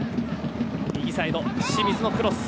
右サイド、清水のクロス。